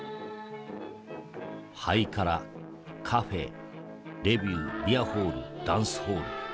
「ハイカラカフェーレビュービアホールダンスホール。